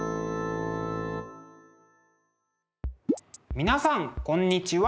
皆さんこんにちは。